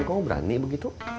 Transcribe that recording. kamu berani begitu